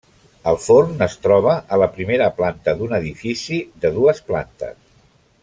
El forn es troba a la primera planta d'un edifici de dues plantes.